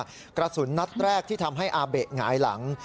กระสุนนัดแรกที่ทำให้อาเบะหงายหลัง